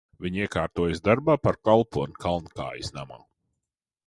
Viņa iekārtojas darbā par kalponi Kalnkājas namā.